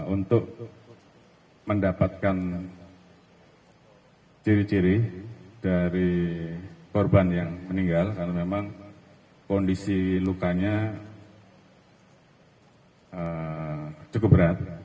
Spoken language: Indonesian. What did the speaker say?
untuk mendapatkan ciri ciri dari korban yang meninggal karena memang kondisi lukanya cukup berat